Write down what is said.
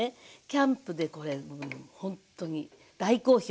キャンプでこれほんとに大好評。